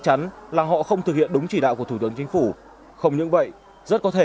chắn là họ không thực hiện đúng chỉ đạo của thủ tướng chính phủ không những vậy rất có thể